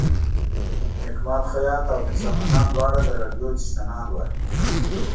نیک ماد خیاط او میرزا منان دواړه د راډیو څښتنان وو.